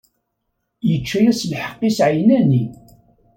Ičča-yas lḥeqq-is ɛinani.